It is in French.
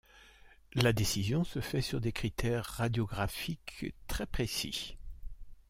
La décision se fait sur des critères radiographiques très précis.